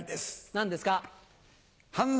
何ですか？